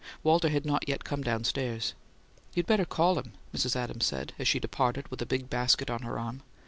Walter had not yet come downstairs. "You had better call him," Mrs. Adams said, as she departed with a big basket on her arm.